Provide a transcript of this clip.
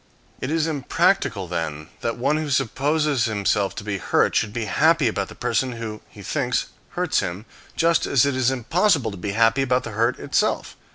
It is impractical, then, that one who supposes himself to be hurt should be happy about the person who, he thinks, hurts him, just as it is impossible to be happy about the hurt itself.